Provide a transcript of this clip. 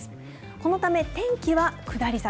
このため、天気は下り坂。